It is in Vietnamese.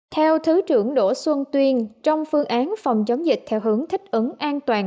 theo thứ trưởng đỗ xuân tuyên trong phương án phòng chống dịch theo hướng thích ứng an toàn